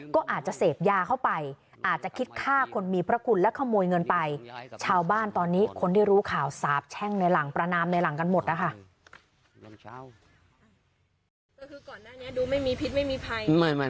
ก็คือก่อนหน้านี้ดูไม่มีพิษไม่มีภาย